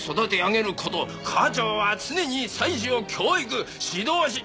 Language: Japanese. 「家長は常に妻子を教育指導し」